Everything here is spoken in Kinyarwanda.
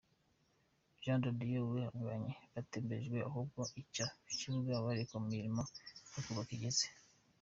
Jean de Dieu Uwihanganye, batemberejwe ahubakwa icyo kibuga, berekwa aho imirimo yo kubaka igeze.